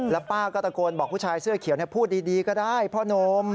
แล้วป้าก็ตะโกนบอกผู้ชายเสื้อเขียวพูดดีก็ได้พ่อนม